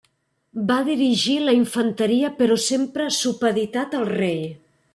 Va dirigir la infanteria però sempre supeditat al rei.